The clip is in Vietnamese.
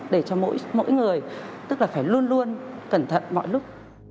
để cho mỗi người tức là phải luôn luôn cẩn thận mọi lúc